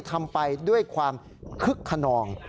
ทำไปด้วยความคึกขนอง